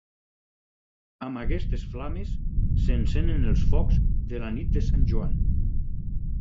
Amb aquestes flames s'encenen els Focs de la Nit de Sant Joan.